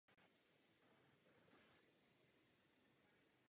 Byl členem ""Sdružení výtvarných umělců moravských"".